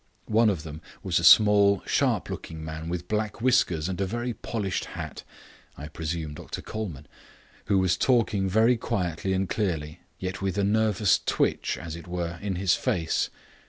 One of them was a small, sharp looking man with black whiskers and a very polished hat (I presume Dr Colman), who was talking very quietly and clearly, yet with a nervous twitch, as it were, in his face.